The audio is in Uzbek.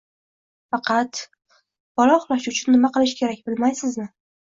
Faqat… bola uxlashi uchun nima qilish kerak, bilmaysizmi